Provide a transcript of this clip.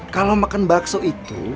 kalau makan bakso itu